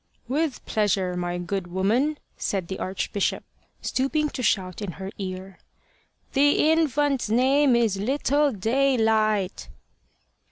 "With pleasure, my good woman," said the archbishop, stooping to shout in her ear: "the infant's name is little Daylight."